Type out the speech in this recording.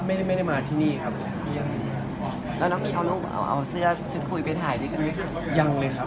อเจมส์มีแผ่นถ่ายคุณไปทำชุดคุยไหมครับ